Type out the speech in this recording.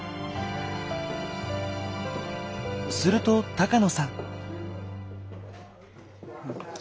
すると高野さん。